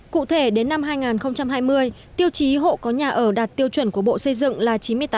cụ thể đến năm hai nghìn hai mươi tiêu chí hộ có nhà ở đạt tiêu chuẩn của bộ xây dựng là chín mươi tám tám